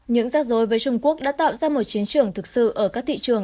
những giác rối với trung quốc đã tạo ra một chiến trường thực sự ở các thị trường